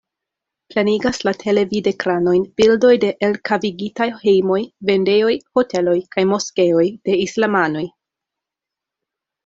Plenigas la televidekranojn bildoj de elkavigitaj hejmoj, vendejoj, hoteloj kaj moskeoj de islamanoj.